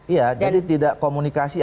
ya jadi tidak komunikasi